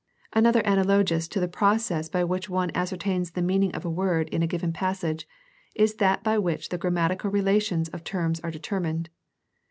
Altogether analogous to the process by which one ascer tains the meaning of a word in a given passage is that by which the grammatical relations of terms are determined.